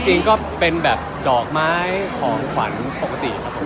จริงเป็นแบบดอกไม้ของขวัญปกติครับนั่นก็โอเคครับ